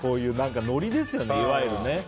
ノリですよね、いわゆるね。